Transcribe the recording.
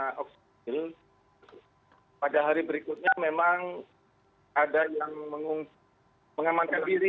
karena oksibil pada hari berikutnya memang ada yang mengamankan diri